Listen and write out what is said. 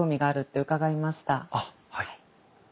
あっはい。